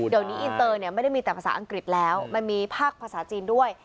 เดี๋ยวนี้อินเตอร์เนี่ยไม่ได้มีแต่ภาษาอังกฤษแล้วมันมีภาคภาษาจีนด้วย